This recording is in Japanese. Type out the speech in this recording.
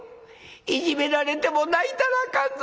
いじめられても泣いたらあかんぞ。